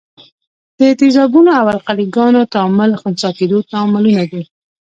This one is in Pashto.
د تیزابونو او القلي ګانو تعامل خنثي کیدو تعاملونه دي.